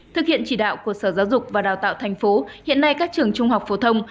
thực hiện chỉ đạo của sở giáo dục và đào tạo thành phố hiện nay các trường trung học phổ thông